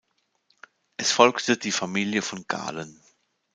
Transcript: Es folgte die Familie von Galen.